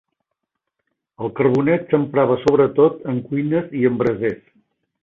El carbonet s'emprava sobretot en cuines i en brasers.